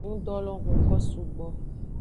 Ngdo lo huko sugbo.